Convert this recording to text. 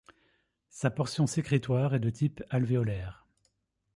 Sa portion sécrétoire est de type alvéolaire.